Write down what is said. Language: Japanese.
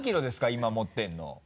今持ってるの。